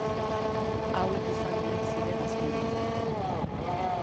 Hauek izan omen ziren azken hitzak.